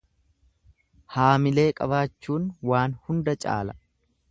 Haamilee qabaachuun waan hunda caala.